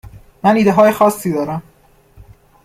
من ایده های خاصی دارم.